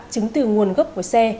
chứng từ nguồn gốc của xe